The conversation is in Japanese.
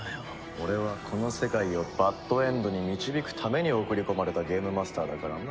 俺はこの世界をバッドエンドに導くために送り込まれたゲームマスターだからな。